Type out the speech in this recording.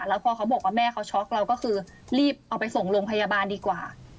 แล้วพอเขาบอกว่าแม่เขาช็อกเราก็คือรีบเอาไปส่งโรงพยาบาลดีกว่า